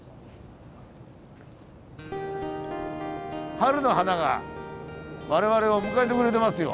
春の花が我々を迎えてくれてますよ。